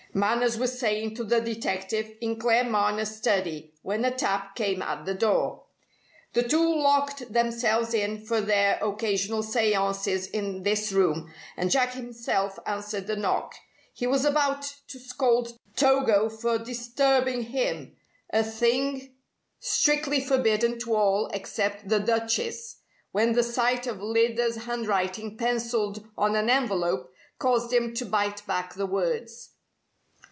Manners was saying to the detective, in Claremanagh's study, when a tap came at the door. The two locked themselves in for their occasional seances in this room, and Jack himself answered the knock. He was about to scold Togo for disturbing him (a thing strictly forbidden to all except the Duchess) when the sight of Lyda's handwriting pencilled on an envelope caused him to bite back the words.